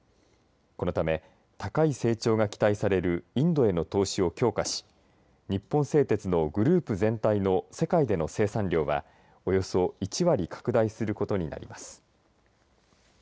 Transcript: このため高い成長が期待されるインドへの投資を強化し日本製鉄のグループ全体の世界での生産量はおよそ１割拡大することになります。